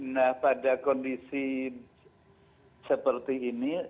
nah pada kondisi seperti ini